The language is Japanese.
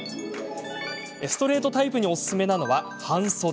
ストレートタイプにおすすめなのは半袖。